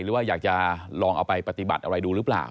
หรือว่าอยากจะลองเอาไปปฏิบัติอะไรดูหรือเปล่า